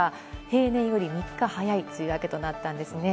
平年より３日早い梅雨明けとなったんですね。